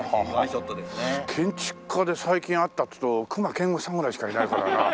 建築家で最近会ったっていうと隈研吾さんぐらいしかいないからな。